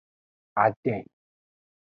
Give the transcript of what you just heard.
Adin.